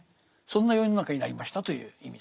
そんな世の中になりましたという意味ですね。